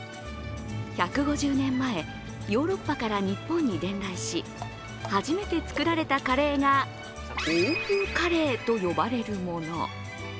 １５０年前、ヨーロッパから日本に伝来し、初めて作られたカレーが欧風カレーと呼ばれるもの。